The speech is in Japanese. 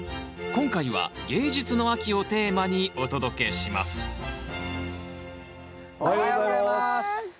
今回は芸術の秋をテーマにお届けしますおはようございます！